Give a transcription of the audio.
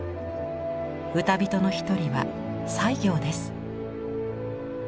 歌人の一人は西行です。